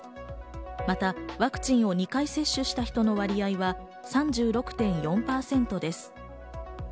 またワクチンを２回接種した人の割合は３６．４％です。